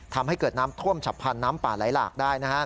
ทำให้เกิดน้ำท่วมฉับพันธ์น้ำป่าไหลหลากได้